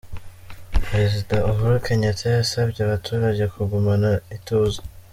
Perezida Uhuru Kenyatta yasabye abaturage kugumana ituze.